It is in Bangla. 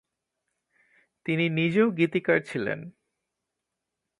তিনি নিজেও গীতিকার ছিলেন।